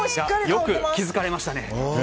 よく気づかれましたね。